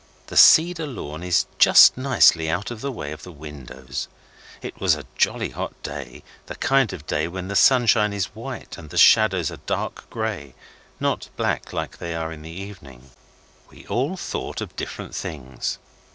The cedar lawn is just nicely out of the way of the windows. It was a jolly hot day the kind of day when the sunshine is white and the shadows are dark grey, not black like they are in the evening. We all thought of different things.